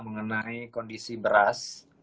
mengenai kondisi beras